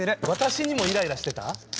私にもイライラしていた。